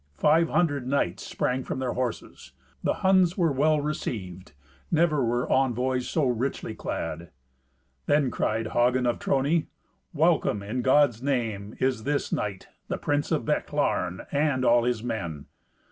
Five hundred knights sprang from their horses. The Huns were well received; never were envoys so richly clad. Then cried Hagen of Trony, "Welcome, in God's name, is this knight, the prince of Bechlaren, and all his men."